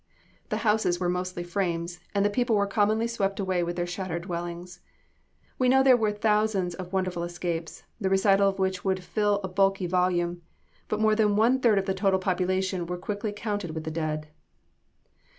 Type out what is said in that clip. The houses were mostly frames, and the people were commonly swept away with their shattered dwellings. We know there were thousands of wonderful escapes, the recital of which would fill a bulky volume; but more than one third of the total population were quickly counted with the dead.